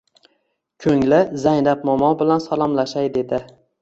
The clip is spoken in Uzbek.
Ko‘ngli, Zaynab momo bilan salomlashay, dedi.